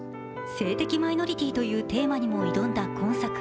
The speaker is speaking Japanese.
性的マイノリティーというテーマにも挑んだ今作。